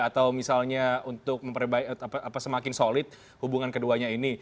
atau misalnya untuk semakin solid hubungan keduanya ini